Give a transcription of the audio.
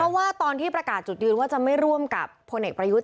เพราะว่าตอนที่ประกาศจุดยืนว่าจะไม่ร่วมกับพลเอกประยุทธ์